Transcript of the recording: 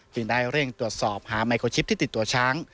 จึงได้เร่งตรวจสอบหาไมโครชิปที่ติดตัวช้าง